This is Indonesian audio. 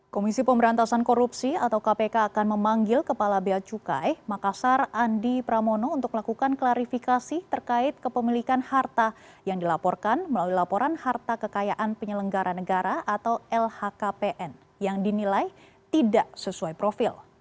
komisi pemberantasan korupsi atau kpk akan memanggil kepala beacukai makassar andi pramono untuk melakukan klarifikasi terkait kepemilikan harta yang dilaporkan melalui laporan harta kekayaan penyelenggara negara atau lhkpn yang dinilai tidak sesuai profil